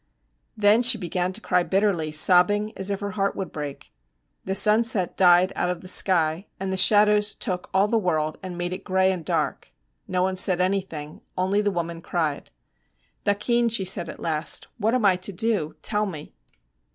Then she began to cry bitterly, sobbing as if her heart would break. The sunset died out of the sky, and the shadows took all the world and made it gray and dark. No one said anything, only the woman cried. 'Thakin,' she said at last, 'what am I to do? Tell me.'